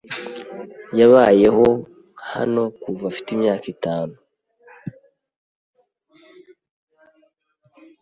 Yabayeho hano kuva afite imyaka itanu.